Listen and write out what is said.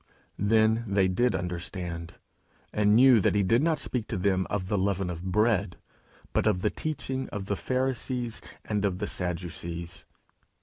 Then they did understand, and knew that he did not speak to them of the leaven of bread, but of the teaching of the Pharisees and of the Sadducees.